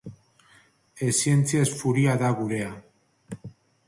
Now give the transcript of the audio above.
Ez zientzia ez furia da gurea.